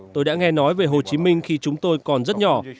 tôi đã nghe nói về hồ chí minh khi chúng tôi còn rất nhỏ